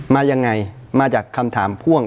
มายังไงมาจากคำถามพ่วง